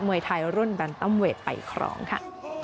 มวยไทยรุ่นแบนตัมเวทไปครองค่ะ